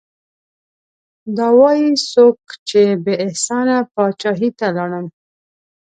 دا وايي څوک چې بې احسانه پاچاهي ته لاړم